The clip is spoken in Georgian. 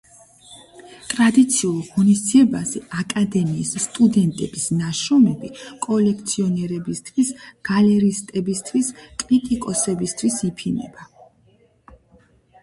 ტრადიციულ ღონისძიებაზე, აკადემიის სტუდენტების ნაშრომები კოლექციონერებისთვის, გალერისტებისთვის, კრიტიკოსებისთვის იფინება.